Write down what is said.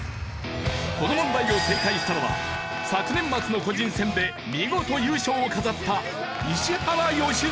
この問題を正解したのは昨年末の個人戦で見事優勝を飾った石原良純。